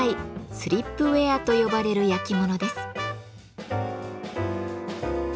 「スリップウェア」と呼ばれるやきものです。